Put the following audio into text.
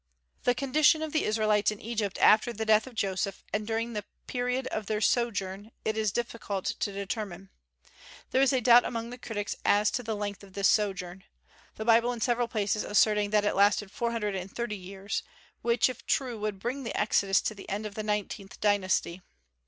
The condition of the Israelites in Egypt after the death of Joseph, and during the period of their sojourn, it is difficult to determine. There is a doubt among the critics as to the length of this sojourn, the Bible in several places asserting that it lasted four hundred and thirty years, which, if true, would bring the Exodus to the end of the nineteenth dynasty.